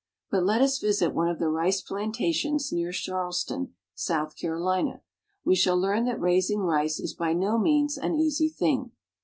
But let us visit one of the rice plantations near Charles ton, South Carolina. We shall learn that raising rice is by no means an easy thing.